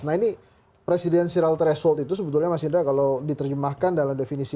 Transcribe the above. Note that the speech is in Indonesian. nah ini presidensial threshold itu sebetulnya mas indra kalau diterjemahkan dalam definisi